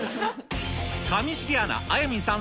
上重アナ、あやみんさん